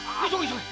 急げ！